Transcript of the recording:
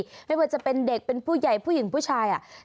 ไม่ว่าจะเป็นเด็กเป็นผู้ใหญ่ผู้หญิงผู้ชาย